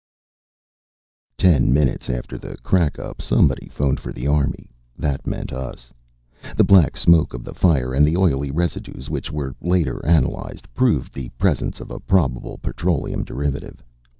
_Ten minutes after the crackup, somebody phoned for the Army. That meant us. The black smoke of the fire, and the oily residues, which were later analyzed, proved the presence of a probable petroleum derivative.